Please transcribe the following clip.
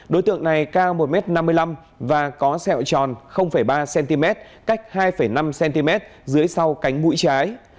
đối tượng này cao một m năm mươi năm và có sẹo tròn ba cm cách hai năm cm dưới sau cánh mũi trái